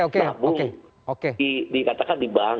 tabung dikata kata di bank